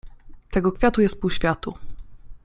Tego kwiatu jest pół światu.